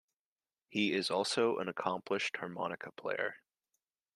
He is also an accomplished harmonica player.